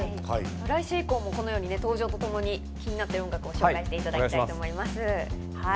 来週以降も登場とともに気になったものをご紹介していただきたいと思います。